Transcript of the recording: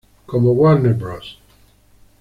Como Warner Bros.